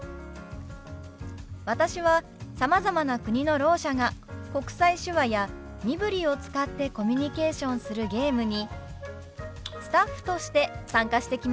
私はさまざまな国のろう者が国際手話や身振りを使ってコミュニケーションするゲームにスタッフとして参加してきました。